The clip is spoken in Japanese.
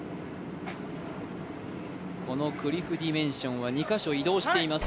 クリフディメンションは２か所移動しています。